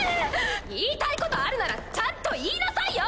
言いたいことあるならちゃんと言いなさいよ！